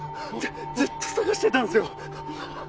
ずっと探してたんですよ。